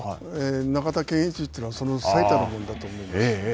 中田賢一というのはその最たるものだと思います。